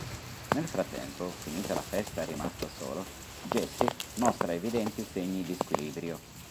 Nel frattempo, finita la festa e rimasto solo, Jesse mostra evidenti segni di squilibrio.